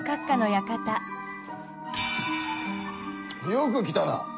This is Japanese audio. よく来たな！